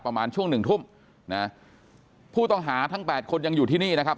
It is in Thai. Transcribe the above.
ประมาณช่วงหนึ่งทุ่มนะผู้ต้องหาทั้งแปดคนยังอยู่ที่นี่นะครับ